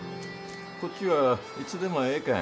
こっちはいつでもええけん